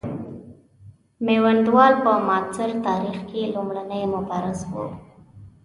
میوندوال په معاصر تاریخ کې لومړنی مبارز وو.